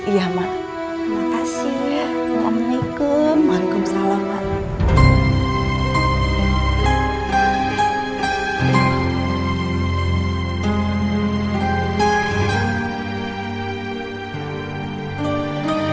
iya mak terima kasih